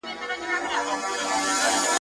چي مشر ئې غُمبر وي، اختر بې مازديگر وي.